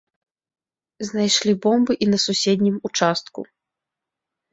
Знайшлі бомбы і на суседнім участку.